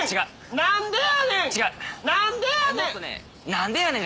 何でやねん！